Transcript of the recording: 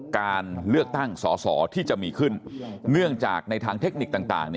การเลือกตั้งสอสอที่จะมีขึ้นเนื่องจากในทางเทคนิคต่าง